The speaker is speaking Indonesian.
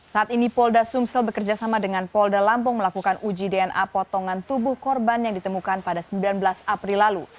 saat ini polda sumsel bekerjasama dengan polda lampung melakukan uji dna potongan tubuh korban yang ditemukan pada sembilan belas april lalu